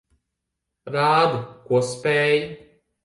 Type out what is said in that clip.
Rādi, ko spēj.